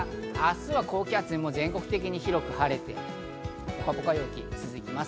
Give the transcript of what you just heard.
明日は高気圧に全国的に広く覆われてポカポカ陽気が続きます。